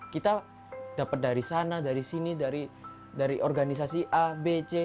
kita dapat dari sana dari sini dari organisasi a b c